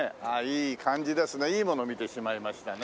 いいもの見てしまいましたね。